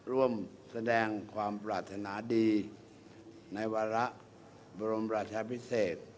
ร่วมแสดงความปรารถนาดีในวาระบรมราชาพิเศษ